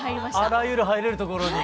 あらゆる入れるところに？